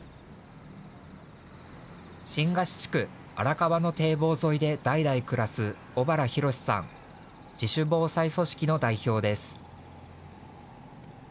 新河岸地区・荒川の堤防沿いで代々暮らす小原寛さん、自主防災組織の代表です。